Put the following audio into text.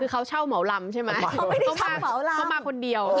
คือเขาเช่าเหมาลำใช่ไหมเขามาเขามาคนเดียว